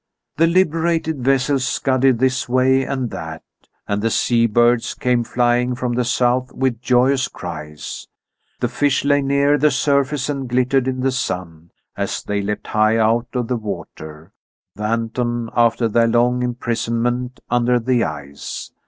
The liberated vessels scudded this way and that, and the sea birds came flying from the south with joyous cries. The fish lay near the surface and glittered in the sun as they leapt high out of the water, wanton after their long imprisonment under the ice.